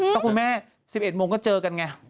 แล้วคุณแม่๑๑โมงก็เจอกันไง